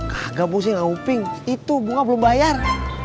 gagapusih nguping itu bunga belum bayar